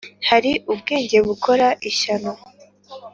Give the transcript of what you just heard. Hari ubwenge bukora ishyano,